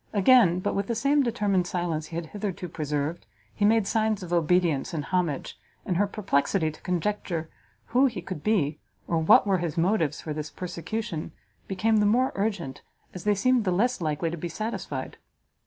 Again, but with the same determined silence he had hitherto preserved, he made signs of obedience and homage, and her perplexity to conjecture who he could be, or what were his motives for this persecution, became the more urgent as they seemed the less likely to be satisfied.